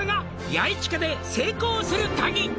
「ヤエチカで成功する鍵」